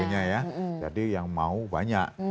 jadi yang mau banyak